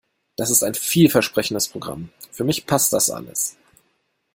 Das ist ein vielversprechendes Programm. Für mich passt das alles.